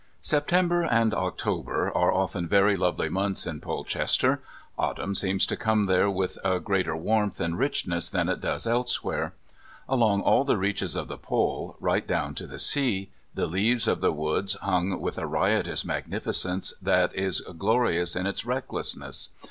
September and October are often very lovely months in Polchester; autumn seems to come there with a greater warmth and richness than it does elsewhere. Along all the reaches of the Pol, right down to the sea, the leaves of the woods hung with a riotous magnificence that is glorious in its recklessness.